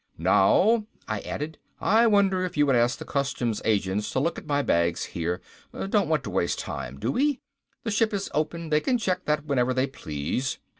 "Now," I added, "I wonder if you would ask the customs agents to look at my bags here. Don't want to waste time, do we? The ship is open, they can check that whenever they please."